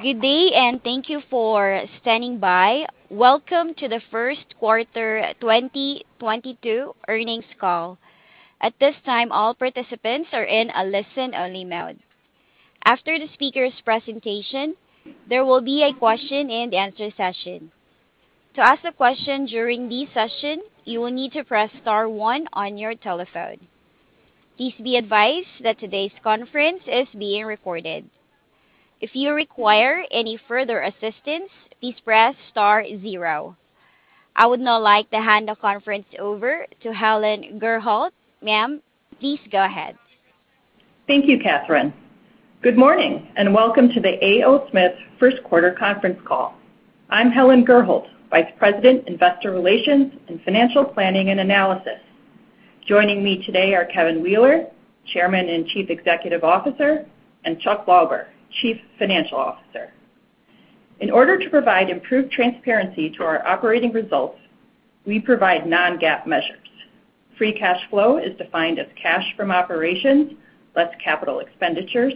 Good day, and thank you for standing by. Welcome to the first quarter 2022 earnings call. At this time, all participants are in a listen-only mode. After the speaker's presentation, there will be a question and answer session. To ask a question during this session, you will need to press star one on your telephone. Please be advised that today's conference is being recorded. If you require any further assistance, please press star zero. I would now like to hand the conference over to Helen Gurholt. Ma'am, please go ahead. Thank you, Catherine. Good morning, and welcome to the A. O. Smith first quarter conference call. I'm Helen Gurholt, Vice President, Investor Relations and Financial Planning & Analysis. Joining me today are Kevin Wheeler, Chairman and Chief Executive Officer, and Chuck Lauber, Chief Financial Officer. In order to provide improved transparency to our operating results, we provide non-GAAP measures. Free cash flow is defined as cash from operations, less capital expenditures.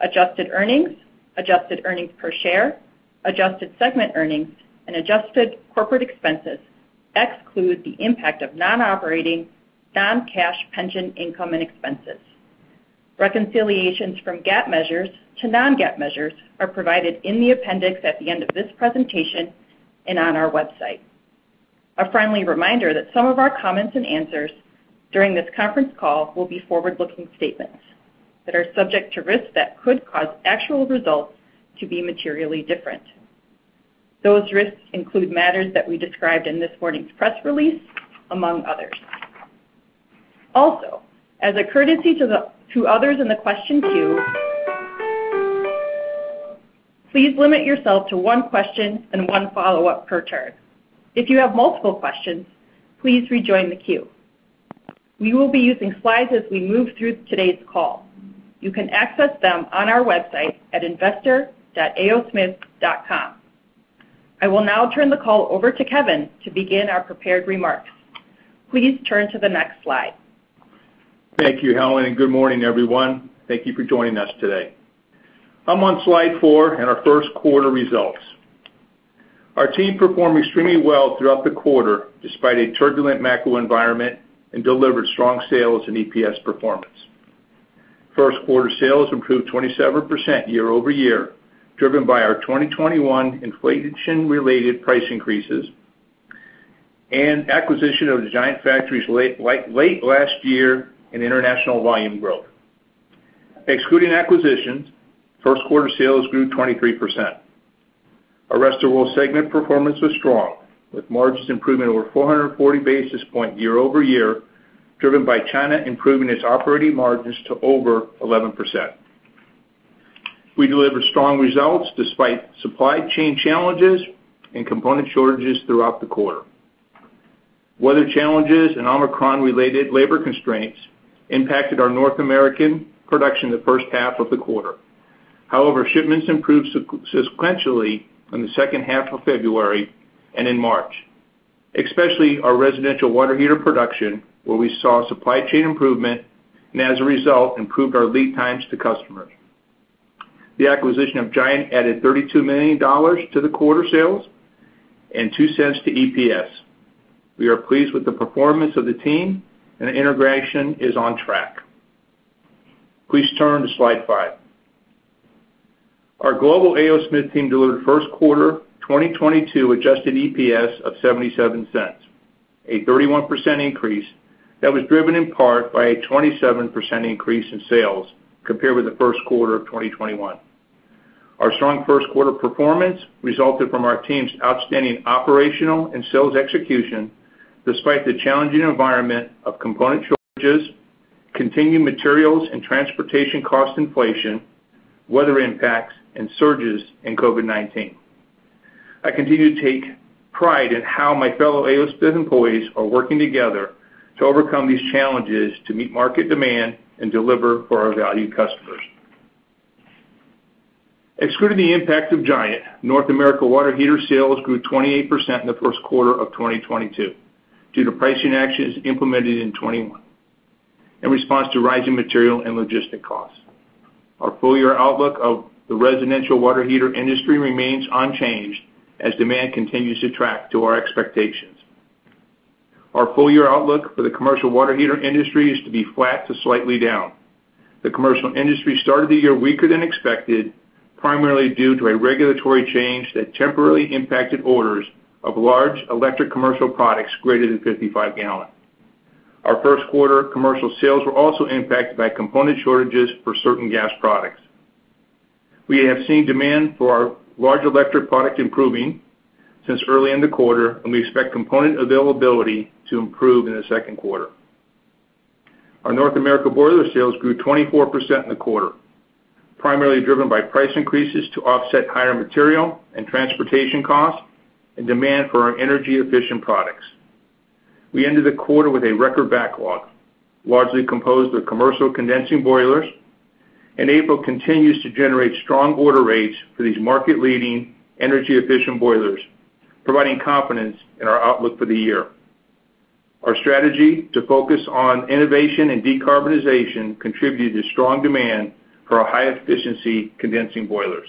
Adjusted earnings, adjusted earnings per share, adjusted segment earnings, and adjusted corporate expenses exclude the impact of non-operating, non-cash pension income and expenses. Reconciliations from GAAP measures to non-GAAP measures are provided in the appendix at the end of this presentation and on our website. A friendly reminder that some of our comments and answers during this conference call will be forward-looking statements that are subject to risks that could cause actual results to be materially different. Those risks include matters that we described in this morning's press release, among others. Also, as a courtesy to others in the question queue, please limit yourself to one question and one follow-up per turn. If you have multiple questions, please rejoin the queue. We will be using slides as we move through today's call. You can access them on our website at investor.aosmith.com. I will now turn the call over to Kevin to begin our prepared remarks. Please turn to the next slide. Thank you, Helen, and good morning, everyone. Thank you for joining us today. I'm on slide four in our first quarter results. Our team performed extremely well throughout the quarter, despite a turbulent macro environment, and delivered strong sales and EPS performance. First quarter sales improved 27% year-over-year, driven by our 2021 inflation-related price increases and acquisition of the Giant Factories late last year and international volume growth. Excluding acquisitions, first quarter sales grew 23%. Rest of World segment performance was strong, with margins improving over 440 basis points year-over-year, driven by China improving its operating margins to over 11%. We delivered strong results despite supply chain challenges and component shortages throughout the quarter. Weather challenges and Omicron-related labor constraints impacted our North American production in the first half of the quarter. However, shipments improved sequentially in the second half of February and in March, especially our residential water heater production, where we saw supply chain improvement and as a result, improved our lead times to customers. The acquisition of Giant added $32 million to the quarter sales and $0.02 to EPS. We are pleased with the performance of the team and the integration is on track. Please turn to slide five. Our global A.O. Smith team delivered first quarter 2022 adjusted EPS of $0.77, a 31% increase that was driven in part by a 27% increase in sales compared with the first quarter of 2021. Our strong first quarter performance resulted from our team's outstanding operational and sales execution despite the challenging environment of component shortages, continued materials and transportation cost inflation, weather impacts, and surges in COVID-19. I continue to take pride in how my fellow A. O. Smith employees are working together to overcome these challenges to meet market demand and deliver for our valued customers. Excluding the impact of Giant Factories, North America water heater sales grew 28% in the first quarter of 2022 due to pricing actions implemented in 2021 in response to rising material and logistics costs. Our full year outlook of the residential water heater industry remains unchanged as demand continues to track to our expectations. Our full year outlook for the commercial water heater industry is to be flat to slightly down. The commercial industry started the year weaker than expected, primarily due to a regulatory change that temporarily impacted orders of large electric commercial products greater than 55-gallon. Our first quarter commercial sales were also impacted by component shortages for certain gas products. We have seen demand for our large electric product improving since early in the quarter, and we expect component availability to improve in the second quarter. Our North America boiler sales grew 24% in the quarter, primarily driven by price increases to offset higher material and transportation costs and demand for our energy-efficient products. We ended the quarter with a record backlog, largely composed of commercial condensing boilers, and April continues to generate strong order rates for these market-leading energy-efficient boilers, providing confidence in our outlook for the year. Our strategy to focus on innovation and decarbonization contributed to strong demand for our high-efficiency condensing boilers.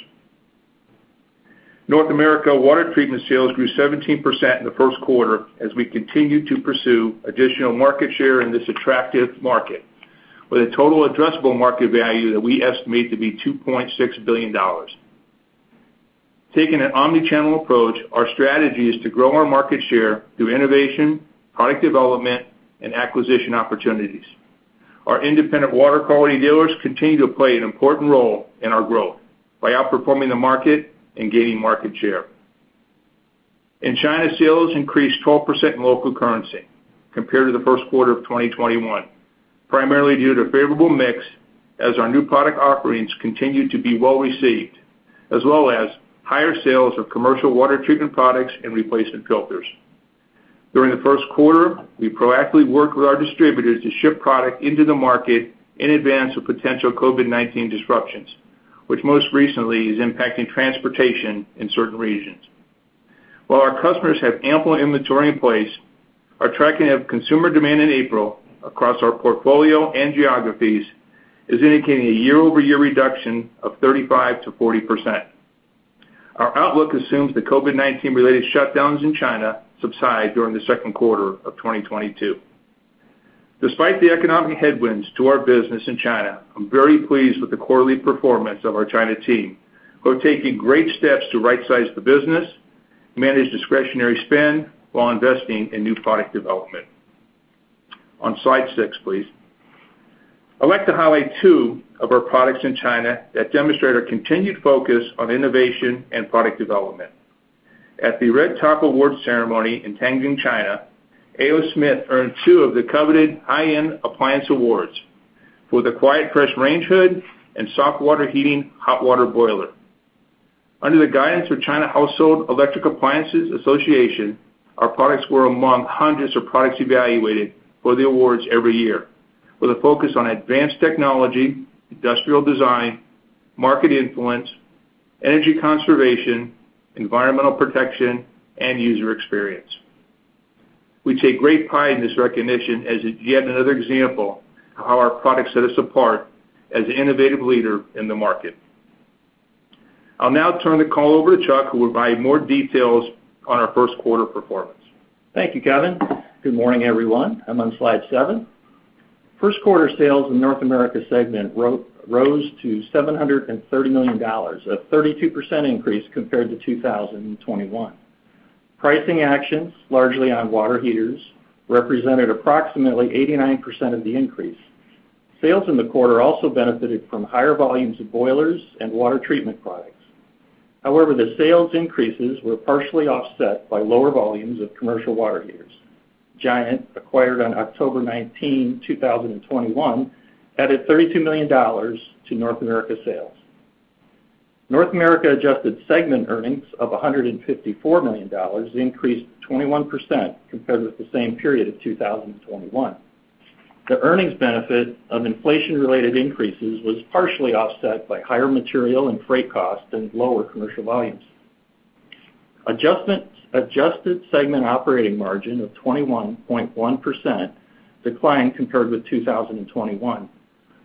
North America water treatment sales grew 17% in the first quarter as we continue to pursue additional market share in this attractive market, with a total addressable market value that we estimate to be $2.6 billion. Taking an omni-channel approach, our strategy is to grow our market share through innovation, product development, and acquisition opportunities. Our independent water quality dealers continue to play an important role in our growth by outperforming the market and gaining market share. In China, sales increased 12% in local currency compared to the first quarter of 2021, primarily due to favorable mix as our new product offerings continued to be well-received, as well as higher sales of commercial water treatment products and replacement filters. During the first quarter, we proactively worked with our distributors to ship product into the market in advance of potential COVID-19 disruptions, which most recently is impacting transportation in certain regions. While our customers have ample inventory in place, our tracking of consumer demand in April across our portfolio and geographies is indicating a year-over-year reduction of 35%-40%. Our outlook assumes the COVID-19 related shutdowns in China subside during the second quarter of 2022. Despite the economic headwinds to our business in China, I'm very pleased with the quarterly performance of our China team, who are taking great steps to right-size the business, manage discretionary spend while investing in new product development. On slide six, please. I'd like to highlight two of our products in China that demonstrate our continued focus on innovation and product development. At the Red-Top Awards ceremony in Tianjin, China, A.O. Smith earned two of the coveted high-end appliance awards for the QuietFresh Range Hood and Soft Water Heating hot water boiler. Under the guidance of China Household Electrical Appliances Association, our products were among hundreds of products evaluated for the awards every year, with a focus on advanced technology, industrial design, market influence, energy conservation, environmental protection, and user experience. We take great pride in this recognition as yet another example of how our products set us apart as an innovative leader in the market. I'll now turn the call over to Chuck, who will provide more details on our first quarter performance. Thank you, Kevin. Good morning, everyone. I'm on slide seven. First quarter sales in North America segment rose to $730 million, a 32% increase compared to 2021. Pricing actions, largely on water heaters, represented approximately 89% of the increase. Sales in the quarter also benefited from higher volumes of boilers and water treatment products. However, the sales increases were partially offset by lower volumes of commercial water heaters. Giant, acquired on October 19, 2021, added $32 million to North America sales. North America adjusted segment earnings of $154 million increased 21% compared with the same period of 2021. The earnings benefit of inflation-related increases was partially offset by higher material and freight costs and lower commercial volumes. Adjusted segment operating margin of 21.1% declined compared with 2021.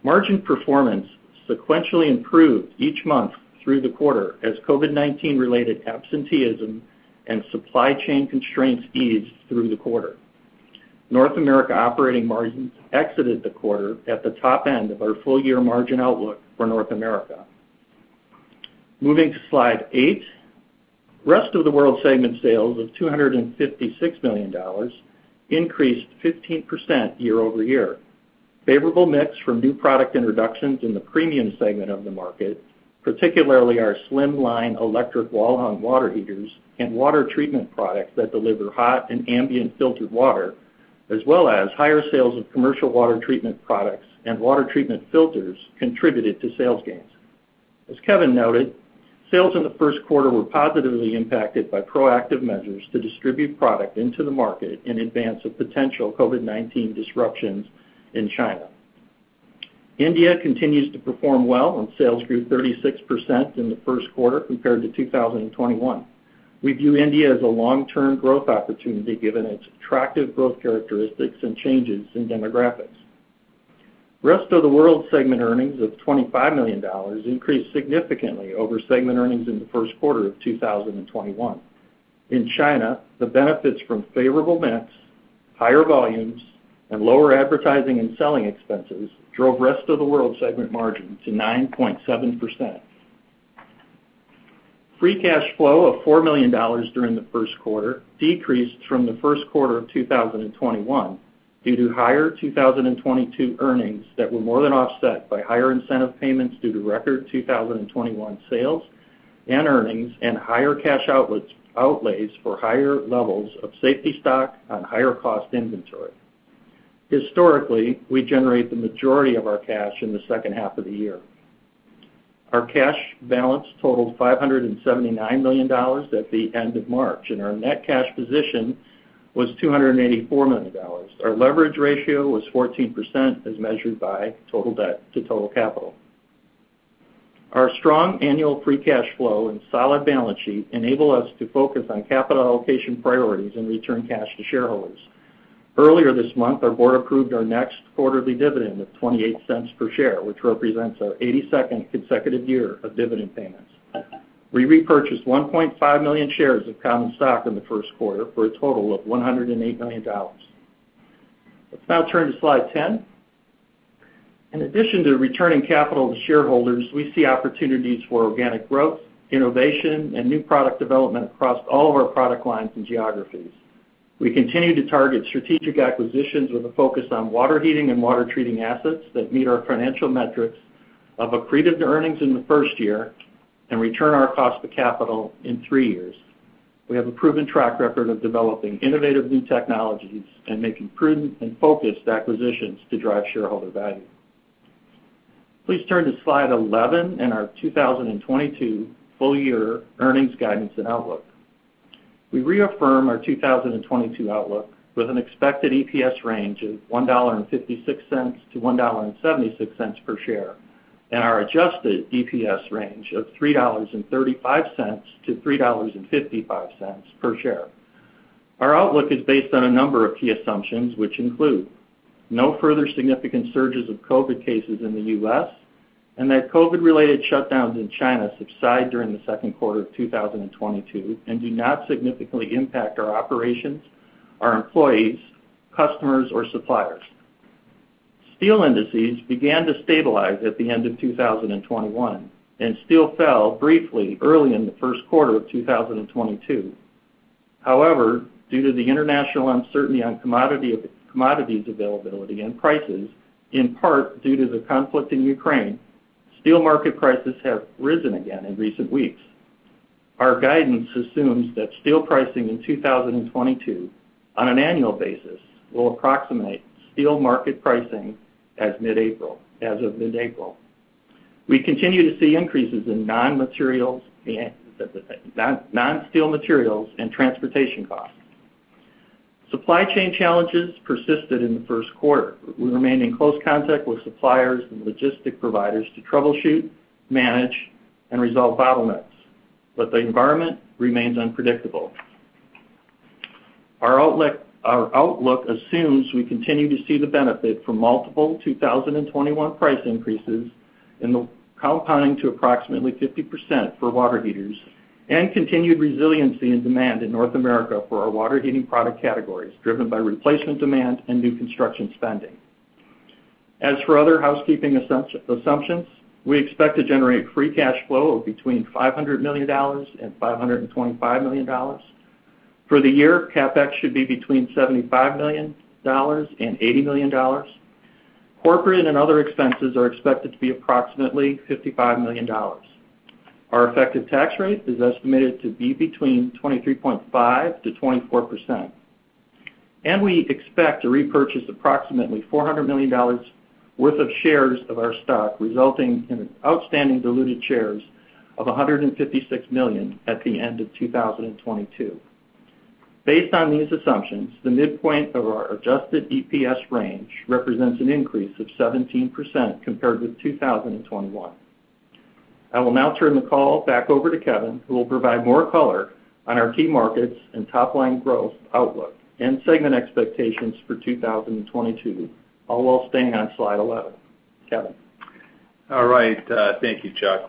Margin performance sequentially improved each month through the quarter as COVID-19 related absenteeism and supply chain constraints eased through the quarter. North America operating margins exited the quarter at the top end of our full year margin outlook for North America. Moving to slide eight. Rest of the World segment sales of $256 million increased 15% year-over-year. Favorable mix from new product introductions in the premium segment of the market, particularly our slimline electric wall-hung water heaters and water treatment products that deliver hot and ambient filtered water, as well as higher sales of commercial water treatment products and water treatment filters contributed to sales gains. As Kevin noted, sales in the first quarter were positively impacted by proactive measures to distribute product into the market in advance of potential COVID-19 disruptions in China. India continues to perform well, and sales grew 36% in the first quarter compared to 2021. We view India as a long-term growth opportunity, given its attractive growth characteristics and changes in demographics. Rest of World segment earnings of $25 million increased significantly over segment earnings in the first quarter of 2021. In China, the benefits from favorable mix, higher volumes, and lower advertising and selling expenses drove Rest of World segment margin to 9.7%. Free cash flow of $4 million during the first quarter decreased from the first quarter of 2021 due to higher 2022 earnings that were more than offset by higher incentive payments due to record 2021 sales and earnings and higher cash outlays for higher levels of safety stock on higher cost inventory. Historically, we generate the majority of our cash in the second half of the year. Our cash balance totaled $579 million at the end of March, and our net cash position was $284 million. Our leverage ratio was 14% as measured by total debt to total capital. Our strong annual free cash flow and solid balance sheet enable us to focus on capital allocation priorities and return cash to shareholders. Earlier this month, our board approved our next quarterly dividend of $0.28 per share, which represents our 82nd consecutive year of dividend payments. We repurchased 1.5 million shares of common stock in the first quarter for a total of $108 million. Let's now turn to slide 10. In addition to returning capital to shareholders, we see opportunities for organic growth, innovation, and new product development across all of our product lines and geographies. We continue to target strategic acquisitions with a focus on water heating and water treating assets that meet our financial metrics of accretive to earnings in the first year and return our cost of capital in three years. We have a proven track record of developing innovative new technologies and making prudent and focused acquisitions to drive shareholder value. Please turn to slide 11 and our 2022 full year earnings guidance and outlook. We reaffirm our 2022 outlook with an expected EPS range of $1.56-$1.76 per share, and our adjusted EPS range of $3.35-$3.55 per share. Our outlook is based on a number of key assumptions, which include no further significant surges of COVID cases in the U.S., and that COVID-related shutdowns in China subside during the second quarter of 2022 and do not significantly impact our operations, our employees, customers or suppliers. Steel indices began to stabilize at the end of 2021, and steel fell briefly early in the first quarter of 2022. However, due to the international uncertainty on commodities availability and prices, in part due to the conflict in Ukraine, steel market prices have risen again in recent weeks. Our guidance assumes that steel pricing in 2022 on an annual basis will approximate steel market pricing as of mid-April. We continue to see increases in non-steel materials and transportation costs. Supply chain challenges persisted in the first quarter. We remain in close contact with suppliers and logistic providers to troubleshoot, manage, and resolve bottlenecks, but the environment remains unpredictable. Our outlook assumes we continue to see the benefit from multiple 2021 price increases compounding to approximately 50% for water heaters and continued resiliency and demand in North America for our water heating product categories, driven by replacement demand and new construction spending. As for other housekeeping assumptions, we expect to generate free cash flow of between $500 million and $525 million. For the year, CapEx should be between $75 million and $80 million. Corporate and other expenses are expected to be approximately $55 million. Our effective tax rate is estimated to be between 23.5%-24%. We expect to repurchase approximately $400 million worth of shares of our stock, resulting in outstanding diluted shares of 156 million at the end of 2022. Based on these assumptions, the midpoint of our adjusted EPS range represents an increase of 17% compared with 2021. I will now turn the call back over to Kevin, who will provide more color on our key markets and top-line growth outlook and segment expectations for 2022, all while staying on slide 11. Kevin? All right. Thank you, Chuck.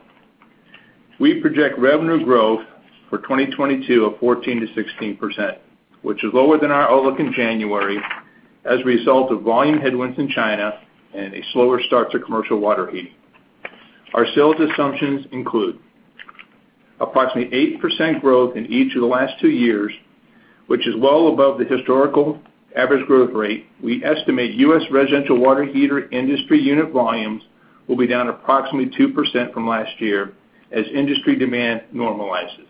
We project revenue growth for 2022 of 14%-16%, which is lower than our outlook in January as a result of volume headwinds in China and a slower start to commercial water heating. Our sales assumptions include approximately 8% growth in each of the last two years, which is well above the historical average growth rate. We estimate U.S. residential water heater industry unit volumes will be down approximately 2% from last year as industry demand normalizes.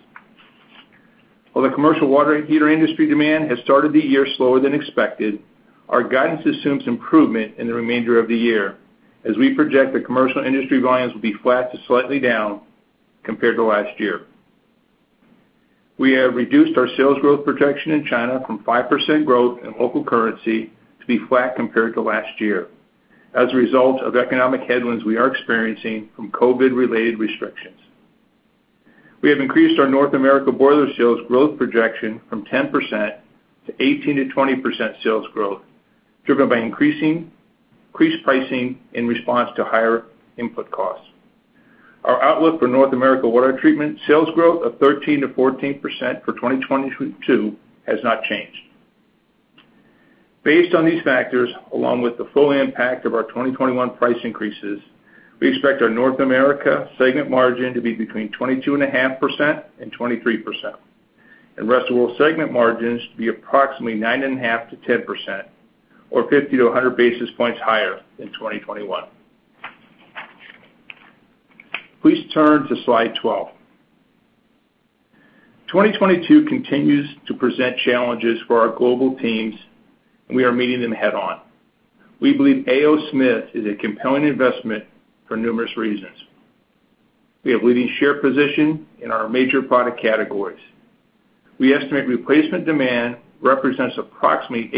While the commercial water heater industry demand has started the year slower than expected, our guidance assumes improvement in the remainder of the year, as we project the commercial industry volumes will be flat to slightly down compared to last year. We have reduced our sales growth projection in China from 5% growth in local currency to be flat compared to last year as a result of economic headwinds we are experiencing from COVID-related restrictions. We have increased our North America boiler sales growth projection from 10%-18%-20% sales growth, driven by increased pricing in response to higher input costs. Our outlook for North America water treatment sales growth of 13%-14% for 2022 has not changed. Based on these factors, along with the full impact of our 2021 price increases, we expect our North America segment margin to be between 22.5% and 23%, and Rest of World segment margins to be approximately 9.5%-10%, or 50-100 basis points higher than 2021. Please turn to slide 12. 2022 continues to present challenges for our global teams, and we are meeting them head-on. We believe A. O. Smith is a compelling investment for numerous reasons. We have leading share position in our major product categories. We estimate replacement demand represents approximately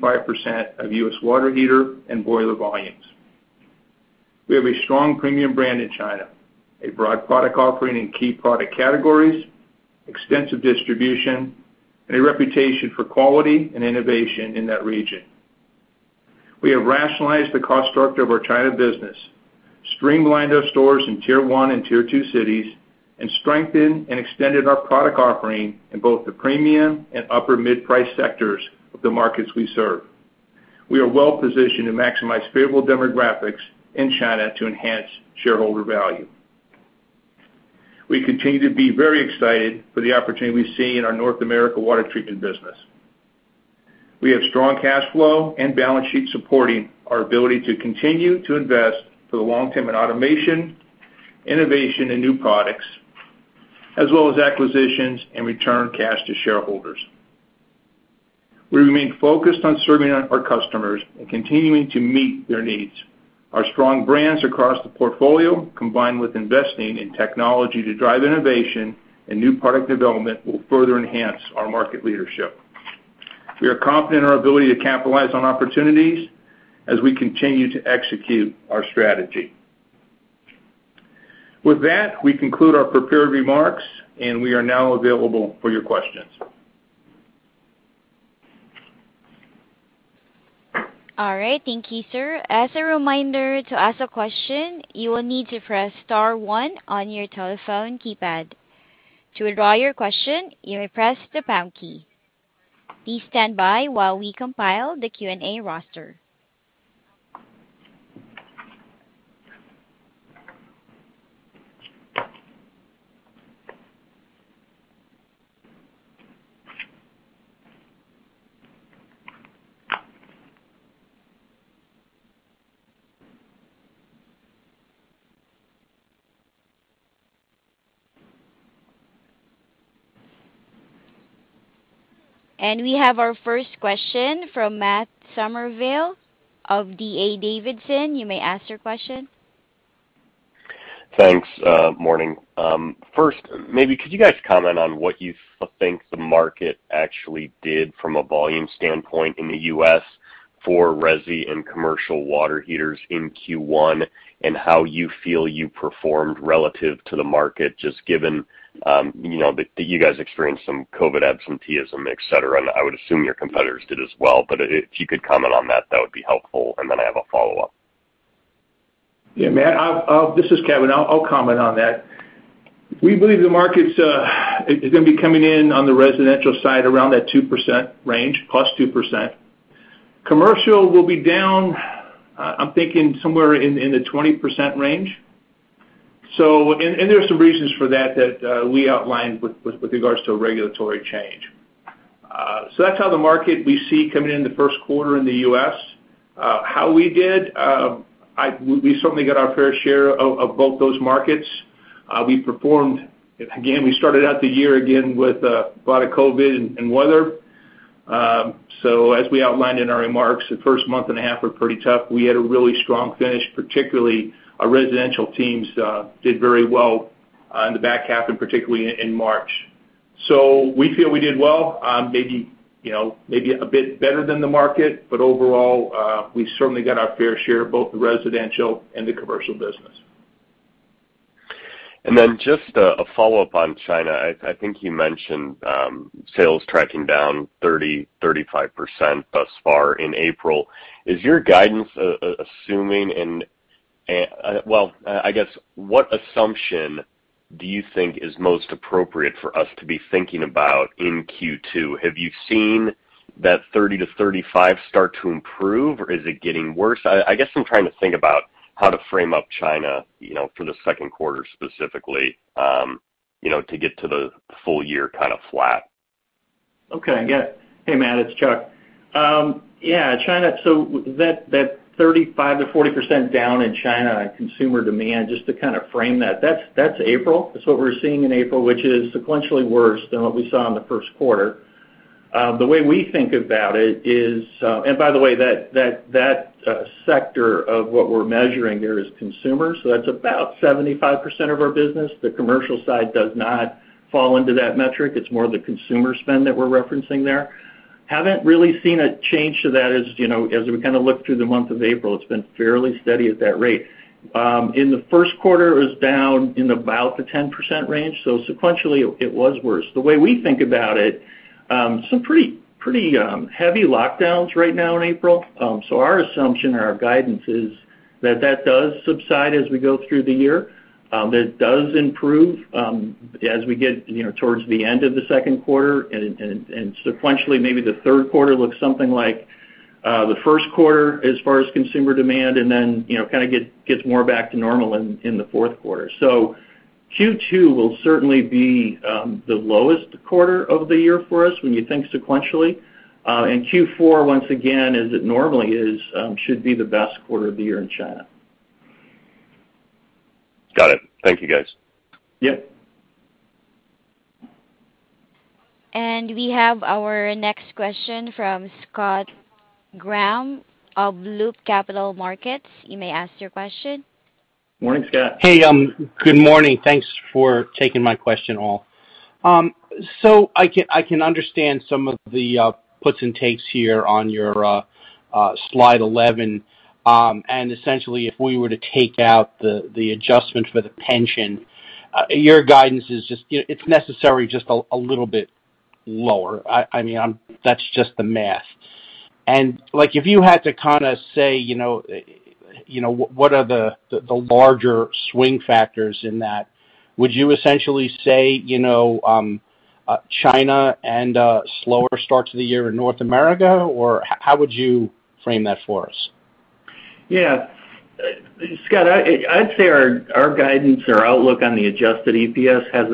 80%-85% of U.S. water heater and boiler volumes. We have a strong premium brand in China, a broad product offering in key product categories, extensive distribution, and a reputation for quality and innovation in that region. We have rationalized the cost structure of our China business, streamlined our stores in tier one and tier two cities, and strengthened and extended our product offering in both the premium and upper mid-price sectors of the markets we serve. We are well-positioned to maximize favorable demographics in China to enhance shareholder value. We continue to be very excited for the opportunity we see in our North America water treatment business. We have strong cash flow and balance sheet supporting our ability to continue to invest for the long term in automation, innovation, and new products, as well as acquisitions and return cash to shareholders. We remain focused on serving our customers and continuing to meet their needs. Our strong brands across the portfolio, combined with investing in technology to drive innovation and new product development, will further enhance our market leadership. We are confident in our ability to capitalize on opportunities as we continue to execute our strategy. With that, we conclude our prepared remarks, and we are now available for your questions. All right. Thank you, sir. As a reminder, to ask a question, you will need to press star one on your telephone keypad. To withdraw your question, you may press the pound key. Please stand by while we compile the Q&A roster. We have our first question from Matt Summerville of D.A. Davidson. You may ask your question. Thanks, morning. First, maybe could you guys comment on what you think the market actually did from a volume standpoint in the U.S. for resi and commercial water heaters in Q1, and how you feel you performed relative to the market, just given, you know, that you guys experienced some COVID absenteeism, et cetera. I would assume your competitors did as well, but if you could comment on that would be helpful. I have a follow-up. Yeah, Matt. This is Kevin. I'll comment on that. We believe the market's coming in on the residential side around that 2% range, +2%. Commercial will be down. I'm thinking somewhere in the 20% range. There are some reasons for that that we outlined with regards to a regulatory change. That's how we see the market coming in the first quarter in the U.S. How we did, we certainly got our fair share of both those markets. We performed. Again, we started out the year with a lot of COVID and weather. As we outlined in our remarks, the first month and a half were pretty tough. We had a really strong finish, particularly our residential teams did very well in the back half and particularly in March. We feel we did well, maybe, you know, maybe a bit better than the market. Overall, we certainly got our fair share of both the residential and the commercial business. Just a follow-up on China. I think you mentioned sales tracking down 30%-35% thus far in April. Is your guidance assuming Well, I guess what assumption do you think is most appropriate for us to be thinking about in Q2? Have you seen that 30%-35% start to improve, or is it getting worse? I guess I'm trying to think about how to frame up China, you know, for the second quarter specifically, you know, to get to the full year kind of flat. Okay. Yeah. Hey, Matt, it's Chuck. Yeah, China, so that 35%-40% down in China in consumer demand, just to kind of frame that's April. That's what we're seeing in April, which is sequentially worse than what we saw in the first quarter. The way we think about it is, and by the way, that sector of what we're measuring there is consumer. So that's about 75% of our business. The commercial side does not fall into that metric. It's more the consumer spend that we're referencing there. Haven't really seen a change to that. As you know, as we kind of look through the month of April, it's been fairly steady at that rate. In the first quarter, it was down in about the 10% range. Sequentially it was worse. The way we think about it, some pretty heavy lockdowns right now in April. Our assumption or our guidance is that that does subside as we go through the year. It does improve, as we get, you know, towards the end of the second quarter. Sequentially, maybe the third quarter looks something like the first quarter as far as consumer demand and then, you know, kind of gets more back to normal in the fourth quarter. Q2 will certainly be the lowest quarter of the year for us when you think sequentially. Q4, once again, as it normally is, should be the best quarter of the year in China. Got it. Thank you, guys. Yep. We have our next question from Scott Graham of Loop Capital Markets. You may ask your question. Morning, Scott. Hey, good morning. Thanks for taking my question, all. So I can understand some of the puts and takes here on your slide 11. Essentially, if we were to take out the adjustment for the pension, your guidance is just, it's necessarily just a little bit lower. I mean, that's just the math. Like, if you had to kinda say, you know, what are the larger swing factors in that, would you essentially say, you know, China and a slower start to the year in North America, or how would you frame that for us? Yeah. Scott, I'd say our guidance, our outlook on the adjusted EPS has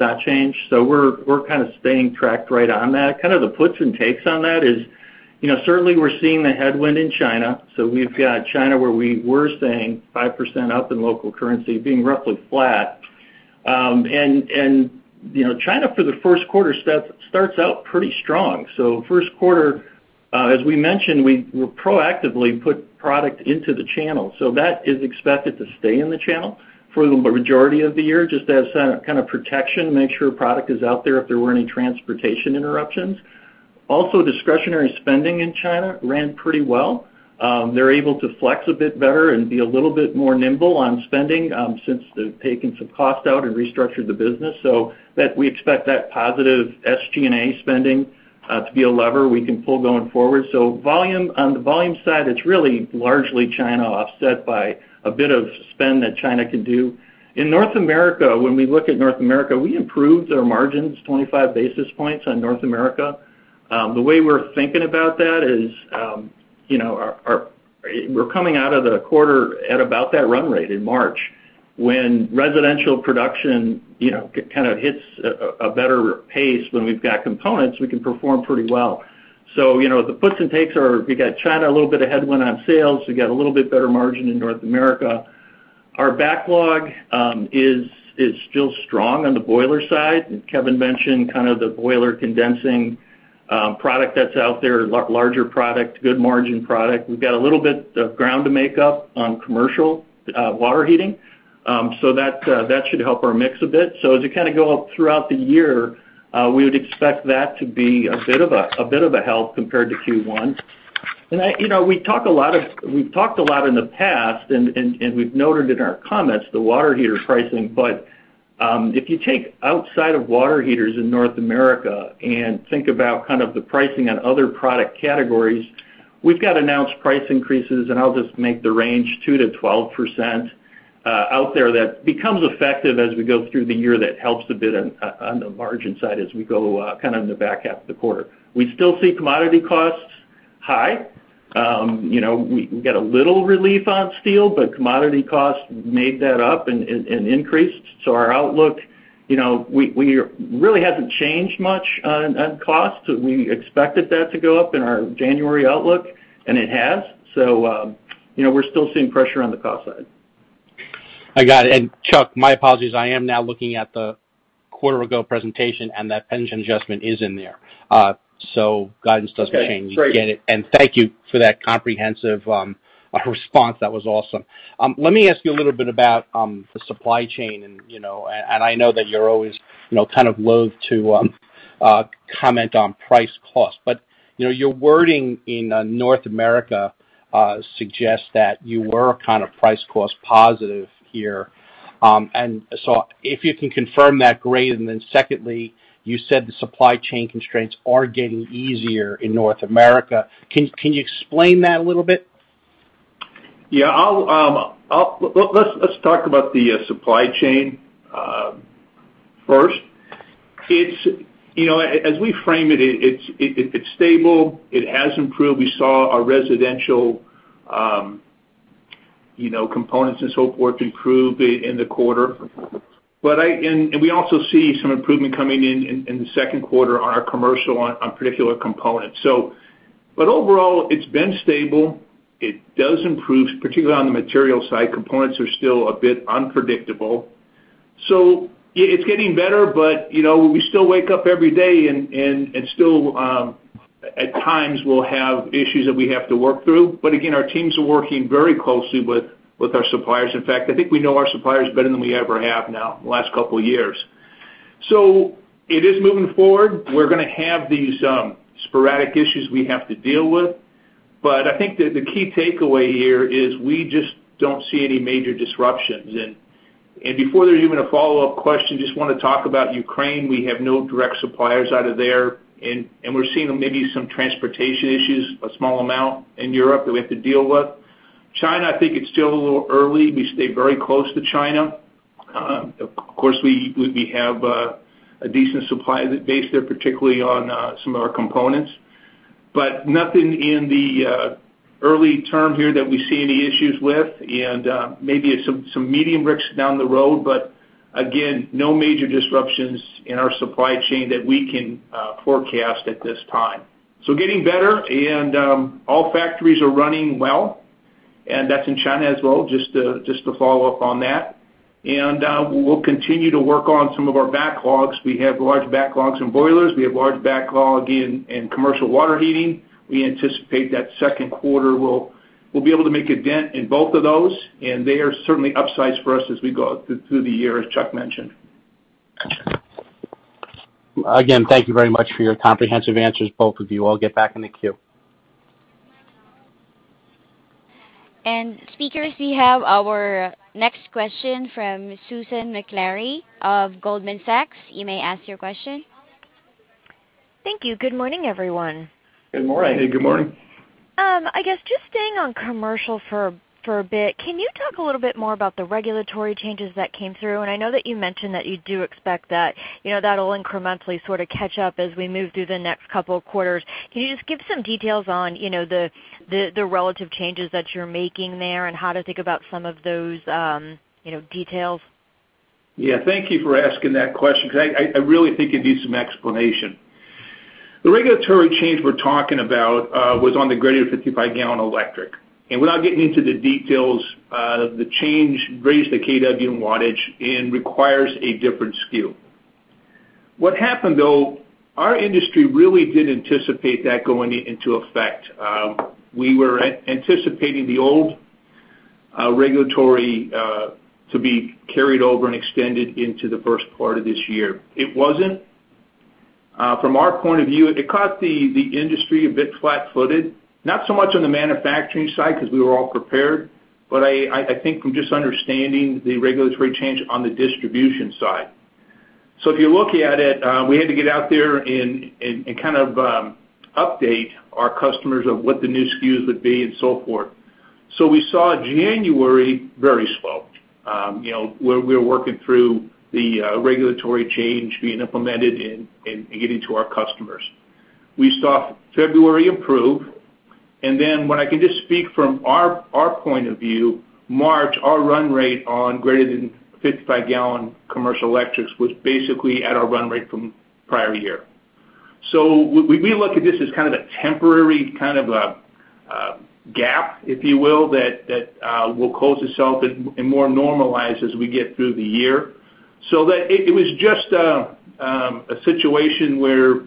not changed. We're kind of staying on track right on that. Kind of the puts and takes on that is, you know, certainly we're seeing the headwind in China, so we've got China where we were saying 5% up in local currency being roughly flat. You know, China for the first quarter it starts out pretty strong. First quarter, as we mentioned, we proactively put product into the channel. That is expected to stay in the channel for the majority of the year, just as kind of protection, make sure product is out there if there were any transportation interruptions. Also, discretionary spending in China ran pretty well. They're able to flex a bit better and be a little bit more nimble on spending, since they've taken some cost out and restructured the business, so that we expect that positive SG&A spending to be a lever we can pull going forward. On the volume side, it's really largely China offset by a bit of spend that China can do. In North America, when we look at North America, we improved our margins 25 basis points on North America. The way we're thinking about that is, you know, we're coming out of the quarter at about that run rate in March. When residential production, you know, kind of hits a better pace when we've got components, we can perform pretty well. You know, the puts and takes are, we got China, a little bit of headwind on sales. We got a little bit better margin in North America. Our backlog is still strong on the boiler side. Kevin mentioned kind of the boiler condensing product that's out there, larger product, good margin product. We've got a little bit of ground to make up on commercial water heating, so that should help our mix a bit. As you kind of go up throughout the year, we would expect that to be a bit of a help compared to Q1. You know, we've talked a lot in the past, and we've noted in our comments, the water heater pricing. If you take outside of water heaters in North America and think about kind of the pricing on other product categories, we've got announced price increases, and I'll just make the range 2%-12% out there that becomes effective as we go through the year that helps a bit on the margin side as we go kind of in the back half of the quarter. We still see commodity costs high. You know, we got a little relief on steel, but commodity costs made that up and increased. Our outlook, you know, really hasn't changed much on costs. We expected that to go up in our January outlook, and it has. You know, we're still seeing pressure on the cost side. I got it. Chuck, my apologies, I am now looking at the quarter ago presentation, and that pension adjustment is in there. Guidance doesn't change. Great. Thank you for that comprehensive response. That was awesome. Let me ask you a little bit about the supply chain and, you know, and I know that you're always, you know, kind of loath to comment on price cost. You know, your wording in North America suggests that you were kind of price-cost positive here. If you can confirm that, great. Secondly, you said the supply chain constraints are getting easier in North America. Can you explain that a little bit? Yeah. Let's talk about the supply chain first. It's stable. It has improved. We saw our residential components and so forth improve in the quarter. We also see some improvement coming in the second quarter on our commercial on particular components. But overall, it's been stable. It does improve, particularly on the material side. Components are still a bit unpredictable. It's getting better, but we still wake up every day and still at times we'll have issues that we have to work through. But again, our teams are working very closely with our suppliers. In fact, I think we know our suppliers better than we ever have now in the last couple of years. It is moving forward. We're gonna have these sporadic issues we have to deal with. I think that the key takeaway here is we just don't see any major disruptions. Before there's even a follow-up question, just wanna talk about Ukraine. We have no direct suppliers out of there, and we're seeing maybe some transportation issues, a small amount in Europe that we have to deal with. China, I think it's still a little early. We stay very close to China. Of course, we have a decent supply base there, particularly on some of our components. But nothing in the early term here that we see any issues with, and maybe some medium risks down the road. But again, no major disruptions in our supply chain that we can forecast at this time. Getting better and all factories are running well, and that's in China as well, just to follow up on that. We'll continue to work on some of our backlogs. We have large backlogs in boilers. We have large backlog in commercial water heating. We anticipate that second quarter we'll be able to make a dent in both of those, and they are certainly upsides for us as we go through the year, as Chuck mentioned. Again, thank you very much for your comprehensive answers, both of you. I'll get back in the queue. speakers, we have our next question from Susan Maklari of Goldman Sachs. You may ask your question. Thank you. Good morning, everyone. Good morning. Good morning. I guess just staying on commercial for a bit, can you talk a little bit more about the regulatory changes that came through? I know that you mentioned that you do expect that, you know, that'll incrementally sort of catch up as we move through the next couple of quarters. Can you just give some details on, you know, the relative changes that you're making there and how to think about some of those, you know, details? Yeah. Thank you for asking that question because I really think it needs some explanation. The regulatory change we're talking about was on the greater than 55-gallon electric. Without getting into the details, the change raised the kW and wattage and requires a different SKU. What happened though, our industry really did anticipate that going into effect. We were anticipating the old regulatory to be carried over and extended into the first part of this year. It wasn't. From our point of view, it caught the industry a bit flat-footed, not so much on the manufacturing side because we were all prepared, but I think from just understanding the regulatory change on the distribution side. If you look at it, we had to get out there and kind of update our customers of what the new SKUs would be and so forth. We saw January very slow, you know, where we're working through the regulatory change being implemented and getting to our customers. We saw February improve, and then when I can just speak from our point of view, March, our run rate on greater than 55 gallon commercial electrics was basically at our run rate from prior year. We look at this as kind of a temporary gap, if you will, that will close itself and more normalize as we get through the year. That it was just a situation where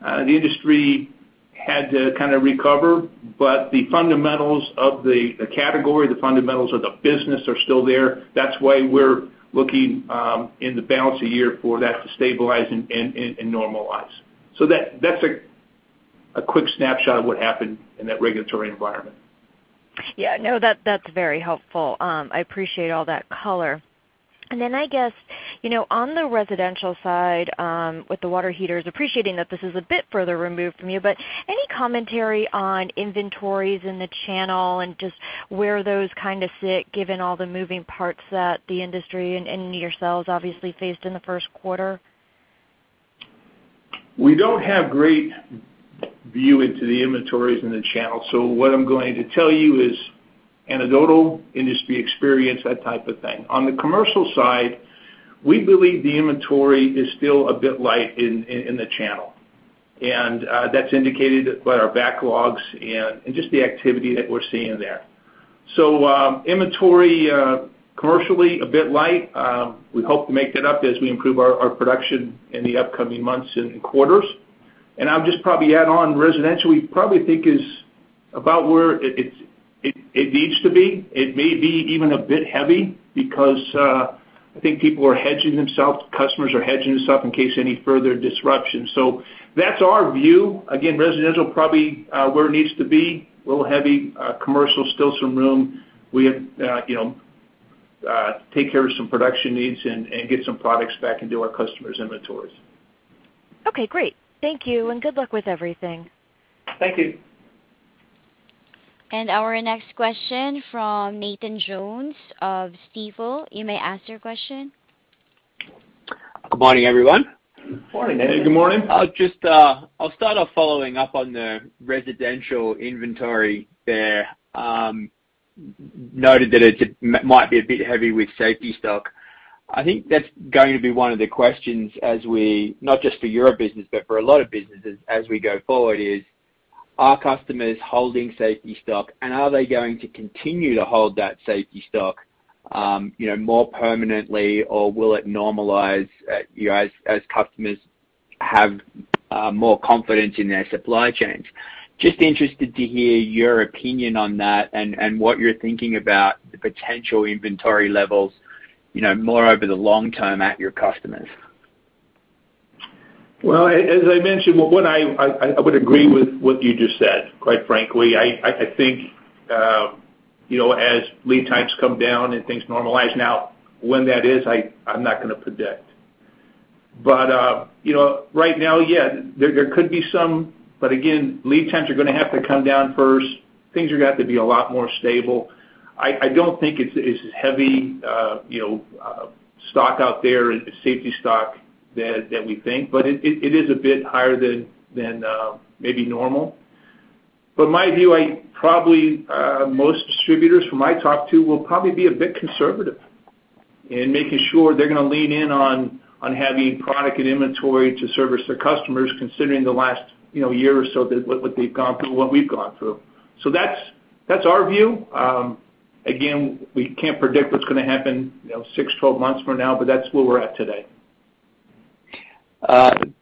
the industry had to kind of recover, but the fundamentals of the category, the fundamentals of the business are still there. That's why we're looking in the balance of the year for that to stabilize and normalize. That's a quick snapshot of what happened in that regulatory environment. Yeah. No, that's very helpful. I appreciate all that color. Then I guess, you know, on the residential side, with the water heaters, appreciating that this is a bit further removed from you, but any commentary on inventories in the channel and just where those kind of sit given all the moving parts that the industry and yourselves obviously faced in the first quarter? We don't have great view into the inventories in the channel. What I'm going to tell you is anecdotal industry experience, that type of thing. On the commercial side, we believe the inventory is still a bit light in the channel. That's indicated by our backlogs and just the activity that we're seeing there. Inventory commercially a bit light. We hope to make that up as we improve our production in the upcoming months and quarters. I'll just probably add on residential, we probably think is about where it needs to be. It may be even a bit heavy because I think people are hedging themselves, customers are hedging themselves in case any further disruption. That's our view. Again, residential probably where it needs to be, a little heavy. Commercial, still some room. We have, you know, take care of some production needs and get some products back into our customers' inventories. Okay, great. Thank you, and good luck with everything. Thank you. Our next question from Nathan Jones of Stifel. You may ask your question. Good morning, everyone. Good morning, Nathan. Good morning. I'll start off following up on the residential inventory there. Noted that it might be a bit heavy with safety stock. I think that's going to be one of the questions as we go forward is, are customers holding safety stock, and are they going to continue to hold that safety stock, you know, more permanently, or will it normalize, you know, as customers have more confidence in their supply chains? Just interested to hear your opinion on that and what you're thinking about the potential inventory levels, you know, more over the long term at your customers. Well, as I mentioned, I would agree with what you just said, quite frankly. I think, you know, as lead times come down and things normalize. Now when that is, I'm not gonna predict. You know, right now, yeah, there could be some, but again, lead times are gonna have to come down first. Things are gonna have to be a lot more stable. I don't think it's heavy stock building out there, safety stock than we think. It is a bit higher than maybe normal. My view, I probably most distributors whom I talk to will probably be a bit conservative in making sure they're gonna lean in on having product and inventory to service their customers, considering the last, you know, year or so that what they've gone through, what we've gone through. That's our view. Again, we can't predict what's gonna happen, you know, six, 12 months from now, but that's where we're at today.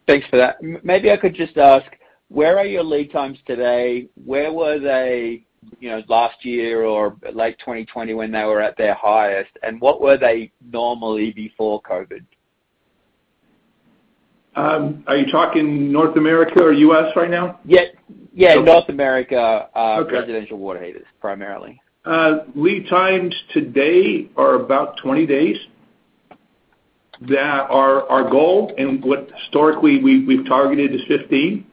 Thanks for that. Maybe I could just ask, where are your lead times today? Where were they, you know, last year or late 2020 when they were at their highest? What were they normally before COVID? Are you talking North America or U.S. right now? Yes. Yeah, North America. Okay. residential water heaters primarily. Lead times today are about 20 days. That's our goal and what historically we've targeted is 15.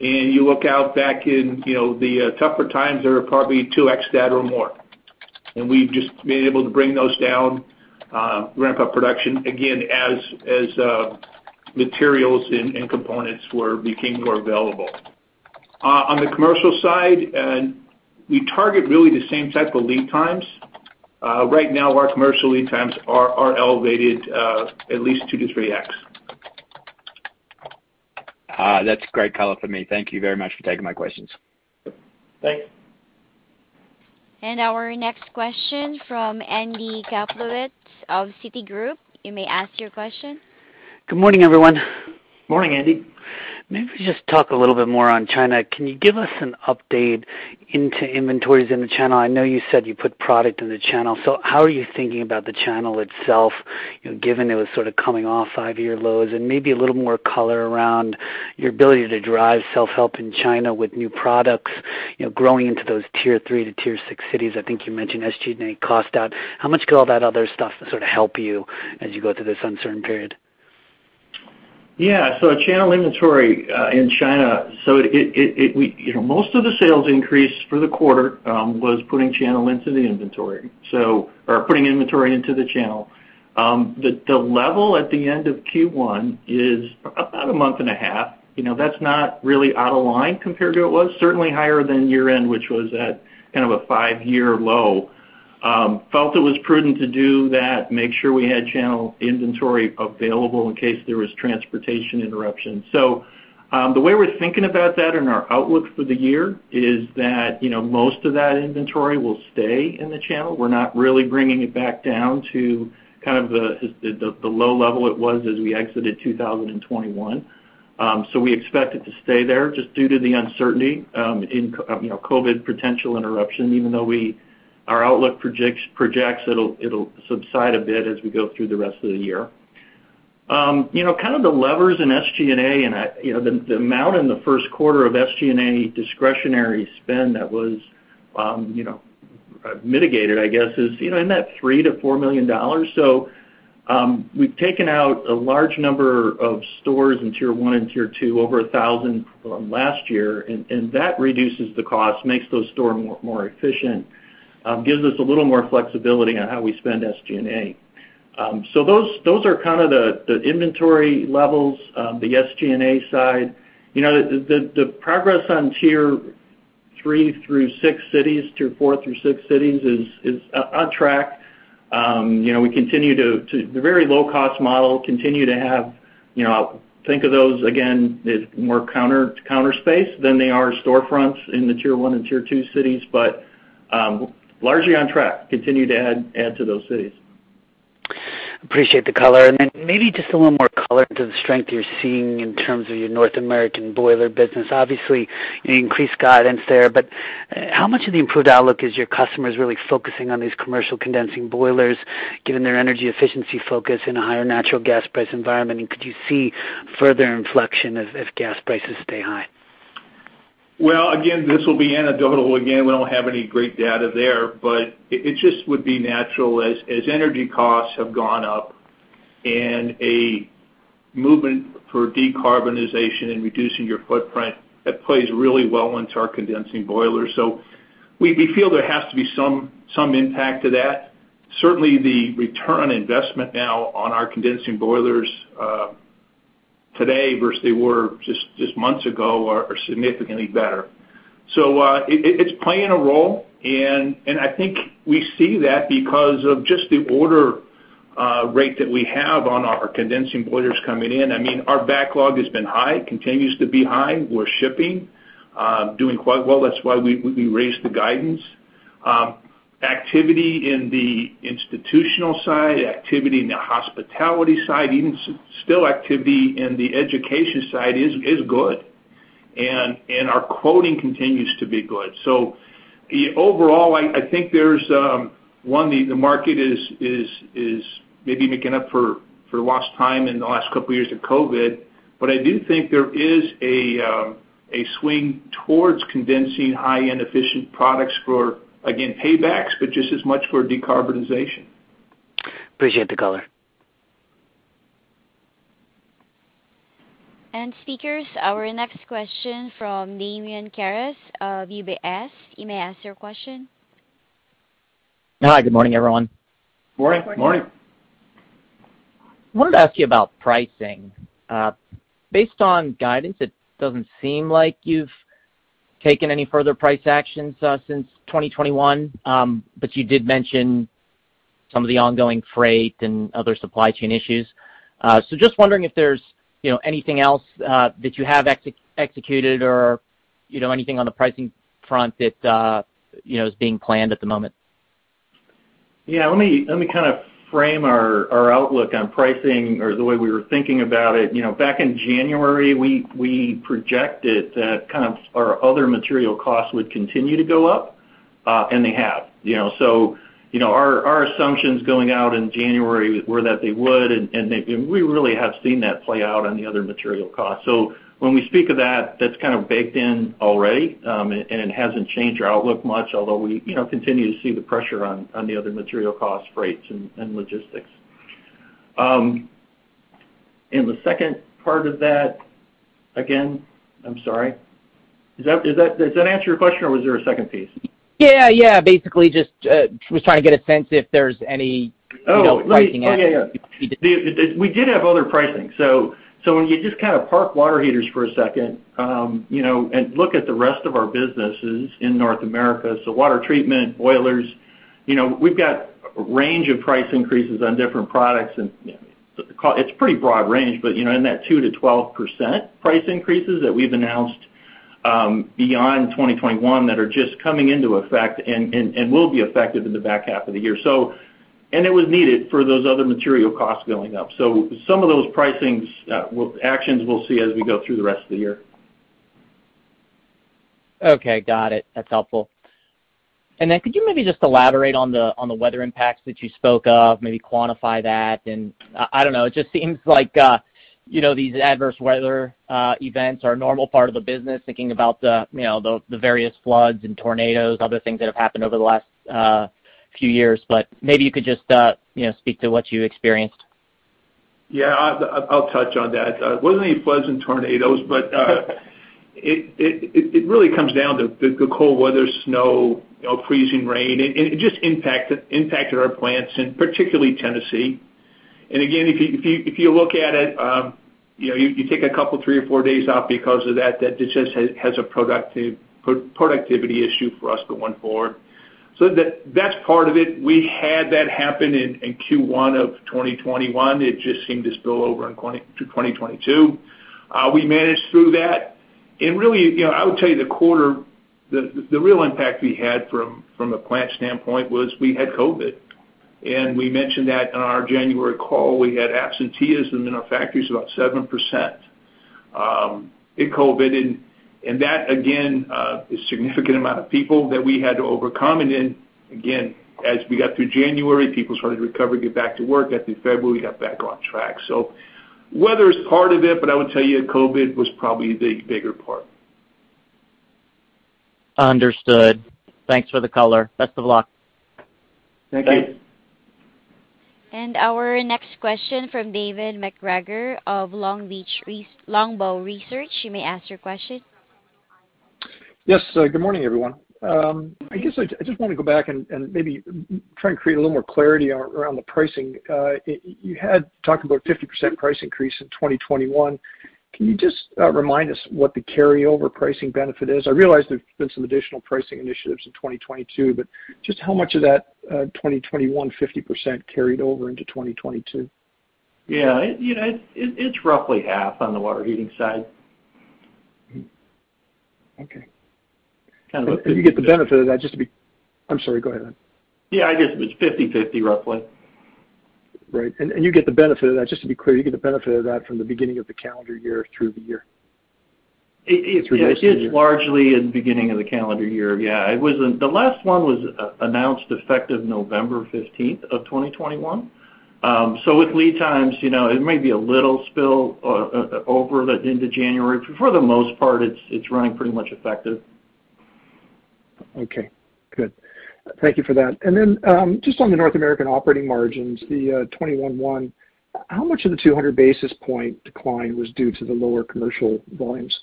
You look back in, you know, the tougher times are probably 2x that or more. We've just been able to bring those down, ramp up production, again, as materials and components became more available. On the commercial side, we target really the same type of lead times. Right now, our commercial lead times are elevated, at least 2x-3x. That's great color for me. Thank you very much for taking my questions. Thanks. Our next question from Andy Kaplowitz of Citigroup. You may ask your question. Good morning, everyone. Morning, Andy. Maybe just talk a little bit more on China. Can you give us an update into inventories in the channel? I know you said you put product in the channel, so how are you thinking about the channel itself, you know, given it was sort of coming off five-year lows? Maybe a little more color around your ability to drive self-help in China with new products, you know, growing into those tier three to tier six cities. I think you mentioned SG&A cost out. How much could all that other stuff sort of help you as you go through this uncertain period? Yeah. Channel inventory in China. We, you know, most of the sales increase for the quarter was putting channel into the inventory, or putting inventory into the channel. The level at the end of Q1 is about a month and a half. You know, that's not really out of line compared to. It was certainly higher than year-end, which was at kind of a five-year low. Felt it was prudent to do that, make sure we had channel inventory available in case there was transportation interruption. The way we're thinking about that in our outlook for the year is that, you know, most of that inventory will stay in the channel. We're not really bringing it back down to kind of the low level it was as we exited 2021. We expect it to stay there just due to the uncertainty in, you know, COVID potential interruption, even though our outlook projects it'll subside a bit as we go through the rest of the year. You know, kind of the levers in SG&A and, you know, the amount in the first quarter of SG&A discretionary spend that was mitigated, I guess, is, you know, in that $3 million-$4 million. We've taken out a large number of stores in tier one and tier two, over 1,000 from last year, and that reduces the cost, makes those stores more efficient, gives us a little more flexibility on how we spend SG&A. Those are kind of the inventory levels, the SG&A side. You know, the progress on tier three through six cities, tier four through six cities is on track. You know, the very low-cost model continues to have, you know, think of those again as more counter space than they are storefronts in the tier one and tier two cities. Largely on track, continue to add to those cities. Appreciate the color. Then maybe just a little more color into the strength you're seeing in terms of your North American boiler business. Obviously, you increased guidance there, but how much of the improved outlook is your customers really focusing on these commercial condensing boilers, given their energy efficiency focus in a higher natural gas price environment? Could you see further inflection if gas prices stay high? Well, again, this will be anecdotal. Again, we don't have any great data there, but it just would be natural as energy costs have gone up and a movement for decarbonization and reducing your footprint, that plays really well into our condensing boilers. We feel there has to be some impact to that. Certainly, the return on investment now on our condensing boilers today versus they were just months ago are significantly better. It's playing a role. I think we see that because of just the order rate that we have on our condensing boilers coming in. I mean, our backlog has been high, continues to be high. We're shipping doing quite well. That's why we raised the guidance. Activity in the institutional side, activity in the hospitality side, even still activity in the education side is good. Our quoting continues to be good. Overall, I think the market is maybe making up for lost time in the last couple of years of COVID. I do think there is a swing towards condensing high-end efficient products for, again, paybacks, but just as much for decarbonization. Appreciate the color. Speakers, our next question from Damian Karas of UBS. You may ask your question. Hi, good morning, everyone. Morning. Morning. Morning. Wanted to ask you about pricing. Based on guidance, it doesn't seem like you've taken any further price actions since 2021. You did mention. Some of the ongoing freight and other supply chain issues. Just wondering if there's, you know, anything else that you have executed or, you know, anything on the pricing front that, you know, is being planned at the moment? Yeah. Let me kind of frame our outlook on pricing or the way we were thinking about it. You know, back in January, we projected that kind of our other material costs would continue to go up, and they have. You know, our assumptions going forward in January were that they would, and we really have seen that play out on the other material costs. When we speak of that's kind of baked in already, and it hasn't changed our outlook much, although we, you know, continue to see the pressure on the other material costs, freights and logistics. The second part of that again, I'm sorry. Does that answer your question or was there a second piece? Yeah. Basically just was trying to get a sense if there's any. Oh. You know, pricing. We did have other pricing. When you just kind of park water heaters for a second, you know, and look at the rest of our businesses in North America, so water treatment, boilers, you know, we've got a range of price increases on different products and it's pretty broad range. You know, in that 2%-12% price increases that we've announced, beyond 2021 that are just coming into effect and will be effective in the back half of the year. It was needed for those other material costs going up. Some of those pricing actions we'll see as we go through the rest of the year. Okay. Got it. That's helpful. Could you maybe just elaborate on the weather impacts that you spoke of, maybe quantify that? I don't know, it just seems like, you know, these adverse weather events are a normal part of the business, thinking about you know, the various floods and tornadoes, other things that have happened over the last few years. Maybe you could just, you know, speak to what you experienced. Yeah, I'll touch on that. It wasn't any floods and tornadoes, but it really comes down to the cold weather, snow, you know, freezing rain, and it just impacted our plants in particular, Tennessee. Again, if you look at it, you know, you take a couple, three or four days off because of that just has a productivity issue for us going forward. That's part of it. We had that happen in Q1 of 2021. It just seemed to spill over to 2022. We managed through that. Really, you know, I would tell you the quarter, the real impact we had from a plant standpoint was we had COVID, and we mentioned that on our January call. We had absenteeism in our factories about 7%. It COVID-ed, and that again is significant amount of people that we had to overcome. Then again, as we got through January, people started to recover, get back to work. Got through February, got back on track. Weather is part of it, but I would tell you COVID was probably the bigger part. Understood. Thanks for the color. Best of luck. Thank you. Our next question from David MacGregor of Longbow Research. You may ask your question. Yes. Good morning, everyone. I guess I just want to go back and maybe try and create a little more clarity around the pricing. You had talked about 50% price increase in 2021. Can you just remind us what the carryover pricing benefit is? I realize there's been some additional pricing initiatives in 2022, but just how much of that 2021 50% carried over into 2022? Yeah. You know, it's roughly half on the water heating side. Okay. You get the benefit of that. I'm sorry, go ahead. Yeah, I guess it's 50/50, roughly. Right. You get the benefit of that, just to be clear, you get the benefit of that from the beginning of the calendar year through the year? It's largely in the beginning of the calendar year. Yeah. The last one was announced effective November fifteenth of 2021. So with lead times, you know, it may be a little spill over into January. For the most part, it's running pretty much effective. Okay, good. Thank you for that. Just on the North American operating margins, the 21.1%, how much of the 200 basis points decline was due to the lower commercial volumes?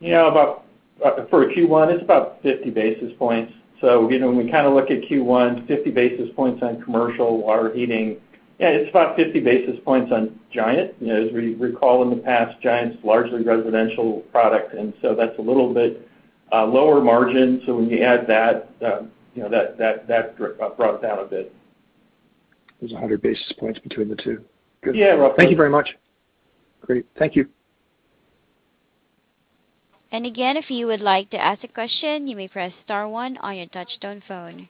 Yeah. For Q1, it's about 50 basis points. You know, when we kind of look at Q1, 50 basis points on commercial water heating. Yeah, it's about 50 basis points on Giant. You know, as we recall in the past, Giant's largely residential product, and so that's a little bit lower margin. When you add that, you know, that brought it down a bit. There's 100 basis points between the two. Good. Yeah, roughly. Thank you very much. Great. Thank you. Again, if you would like to ask a question, you may press star one on your touchtone phone.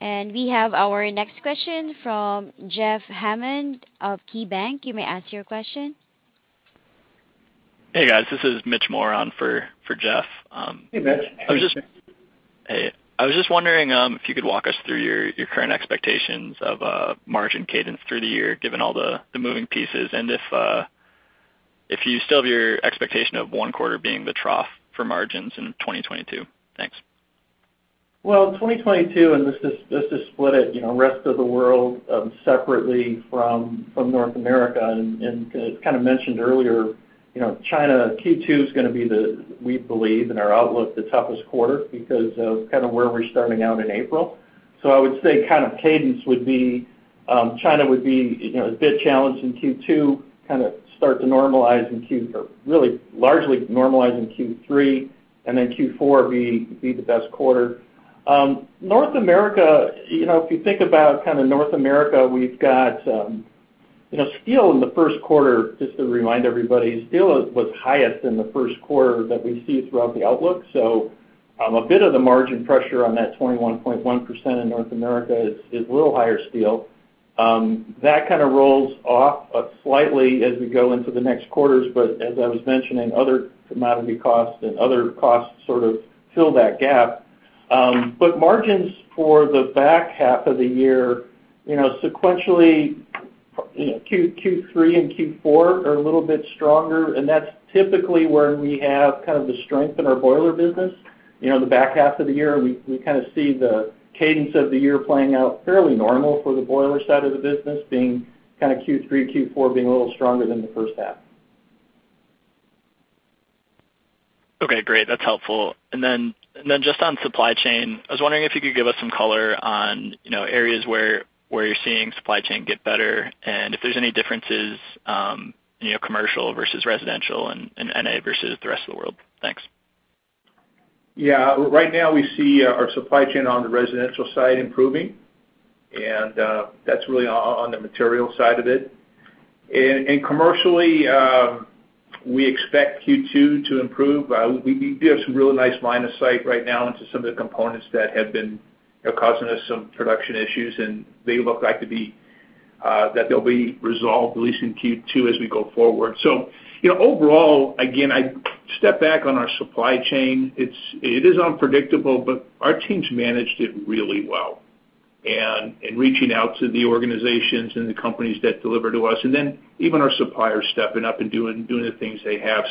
We have our next question from Jeff Hammond of KeyBanc. You may ask your question. Hey, guys. This is Mitch Moran for Jeff. Hey, Mitch. I was just. How are you, Mitch? Hey. I was just wondering if you could walk us through your current expectations of margin cadence through the year, given all the moving pieces, and if you still have your expectation of one quarter being the trough for margins in 2022. Thanks. Well, 2022, and just to split it, you know, rest of the world separately from North America and kind of mentioned earlier, you know, China Q2 is gonna be the, we believe in our outlook, the toughest quarter because of kind of where we're starting out in April. I would say kind of cadence would be, China would be, you know, a bit challenged in Q2, kind of start to normalize or really largely normalize in Q3, and then Q4 be the best quarter. North America, you know, if you think about kind of North America, we've got, you know, steel in the first quarter, just to remind everybody, steel was highest in the first quarter that we see throughout the outlook. A bit of the margin pressure on that 21.1% in North America is a little higher steel. That kinda rolls off slightly as we go into the next quarters, but as I was mentioning, other commodity costs and other costs sort of fill that gap. Margins for the back half of the year, you know, sequentially, you know, Q3 and Q4 are a little bit stronger, and that's typically where we have kind of the strength in our boiler business. You know, in the back half of the year, we kinda see the cadence of the year playing out fairly normal for the boiler side of the business, being kinda Q3, Q4 a little stronger than the first half. Okay, great. That's helpful. Then just on supply chain, I was wondering if you could give us some color on, you know, areas where you're seeing supply chain get better, and if there's any differences, you know, commercial versus residential and NA versus the rest of the world. Thanks. Yeah. Right now we see our supply chain on the residential side improving, and that's really on the material side of it. Commercially, we expect Q2 to improve. We do have some really nice line of sight right now into some of the components that have been, you know, causing us some production issues, and they look like they'll be resolved at least in Q2 as we go forward. You know, overall, again, I step back on our supply chain. It is unpredictable, but our team's managed it really well. In reaching out to the organizations and the companies that deliver to us, and then even our suppliers stepping up and doing the things they have.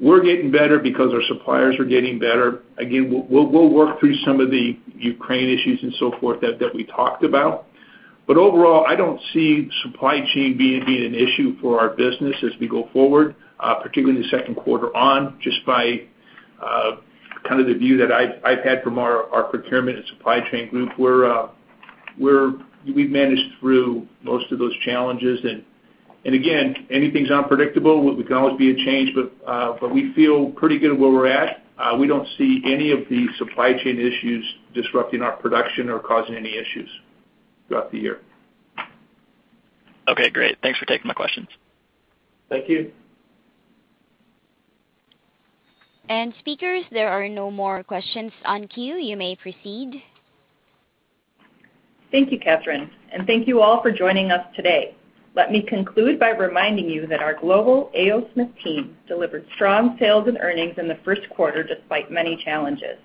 We're getting better because our suppliers are getting better. Again, we'll work through some of the Ukraine issues and so forth that we talked about, but overall, I don't see supply chain being an issue for our business as we go forward, particularly in the second quarter and just by kind of the view that I've had from our procurement and supply chain group. We've managed through most of those challenges. Again, anything's unpredictable. Things can always change, but we feel pretty good where we're at. We don't see any of the supply chain issues disrupting our production or causing any issues throughout the year. Okay, great. Thanks for taking my questions. Thank you. Speakers, there are no more questions in the queue. You may proceed. Thank you, Catherine, and thank you all for joining us today. Let me conclude by reminding you that our global A. O. Smith team delivered strong sales and earnings in the first quarter despite many challenges.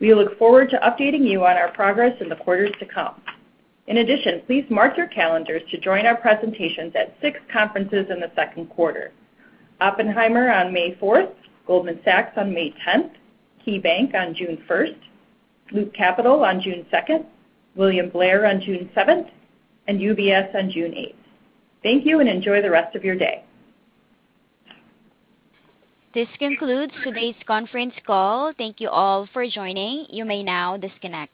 We look forward to updating you on our progress in the quarters to come. In addition, please mark your calendars to join our presentations at six conferences in the second quarter. Oppenheimer on May fourth, Goldman Sachs on May tenth, KeyBanc on June first, Loop Capital on June second, William Blair on June seventh, and UBS on June 8th. Thank you and enjoy the rest of your day. This concludes today's conference call. Thank you all for joining. You may now disconnect.